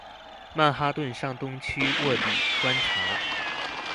曼哈頓上東區臥底觀察